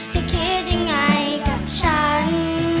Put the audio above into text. จะคิดยังไงกับฉัน